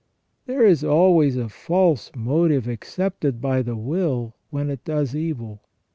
There is always a false motive accepted by the will when it does evil.